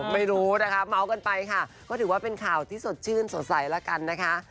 ไม่รู้นะคะเมาส์กันไปค่ะก็ถือว่าเป็นข่าวที่สดชื่นสดใสแล้วกันนะคะ